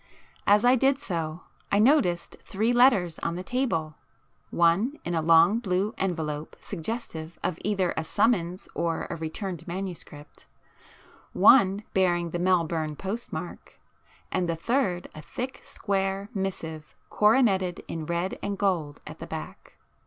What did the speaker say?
As I did so, I noticed three letters on the table,—one in a long blue envelope suggestive of either a summons or a returned manuscript,—one bearing the Melbourne postmark, and the third a thick square missive coroneted in red and gold at the back.